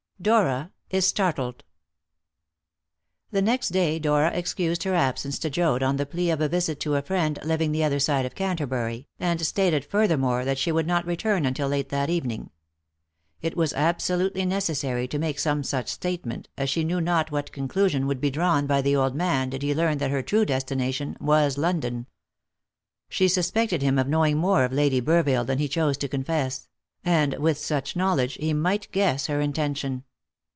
DORA IS STARTLED. The next day Dora excused her absence to Joad on the plea of a visit to a friend living the other side of Canterbury, and stated furthermore that she would not return until late that evening. It was absolutely necessary to make some such statement, as she knew not what conclusion would be drawn by the old man did he learn that her true destination was London. She suspected him of knowing more of Lady Burville than he chose to confess; and, with such knowledge, he might guess her intention.